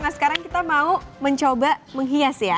nah sekarang kita mau mencoba menghias ya